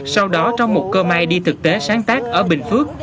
sau đó trong một cơ may đi thực tế sáng tác ở bình phước